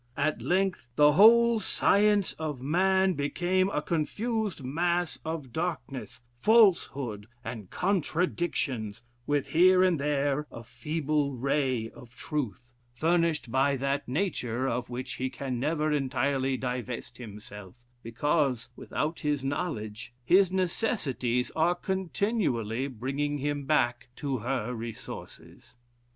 At length, the whole science of man became a confused mass of darkness, falsehood, and contradictions, with here and there a feeble ray of truth, furnished by that Nature of which he can never entirely divest himself, because, without his knowledge, his necessities are continually bringing him back to her resources."